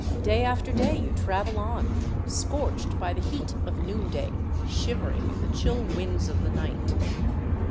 Day after day you travel on, scorched by the heat of noon day, shivering in the chill winds of the night.